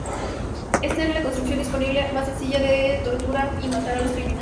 Esta era la construcción disponible más sencilla de torturar y matar a los criminales.